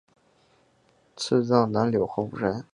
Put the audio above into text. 赐葬南柳黄府山。